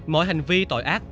mọi hành vi tội ác